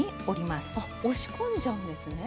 押し込んじゃうんですね。